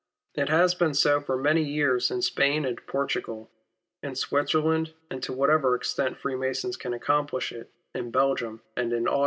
It has been so for many years in Spain and Portugal, in Switzerland, and to whatever extent Freemasons can accomplish it, in Belgium and in Austria.